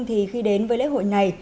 thì khi đến với lễ hội này